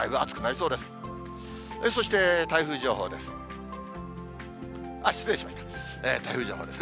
そして台風情報です。